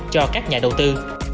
cho các nhà đầu tư